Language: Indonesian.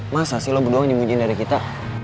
masa sih lo berdua yang dimujiin dari kita